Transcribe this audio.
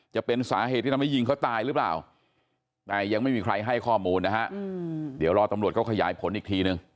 จะเป็นสาเหตุที่ทำให้ยิงเขาตายหรือเปล่าแต่ยังไม่มีใครให้ข้อมูลนะฮะเดี๋ยวรอตำรวจเขาขยายผลอีกทีนึง